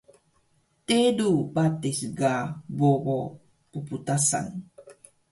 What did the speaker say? Teru patis ga bobo pptasan